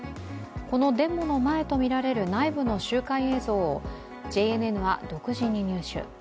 このデモの前とみられる内部の集会映像をＪＮＮは独自に入手。